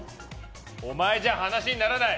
お前じゃ話にならない。